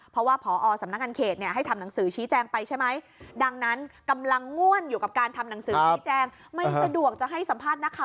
เพราะว่าพอสำนักงานเขตให้ทำหนังสือชี้แจงไปใช่ไหม